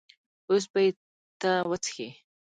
اوس به یې ته وڅښې.